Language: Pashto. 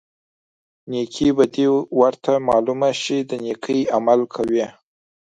نیکې بدي ورته معلومه شي د نیکۍ عمل کوي.